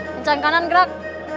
kencang kanan gerak